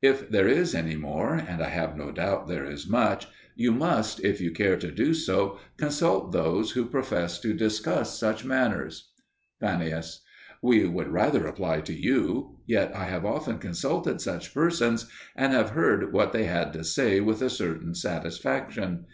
If there is any more, and I have no doubt there is much, you must, if you care to do so, consult those who profess to discuss such matters. Fannius. We would rather apply to you. Yet I have often consulted such persons, and have heard what they had to say with a certain satisfaction.